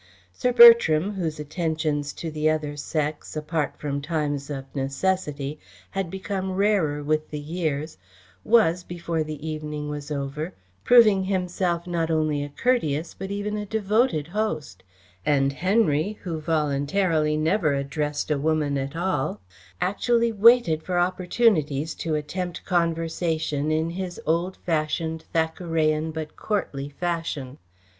Sir Bertram, whose attentions to the other sex, apart from times of necessity, had become rarer with the years, was, before the evening was over, proving himself not only a courteous, but even a devoted host, and Henry, who voluntarily never addressed a woman at all, actually waited for opportunities to attempt conversation in his old fashioned, Thackerayan, but courtly fashion.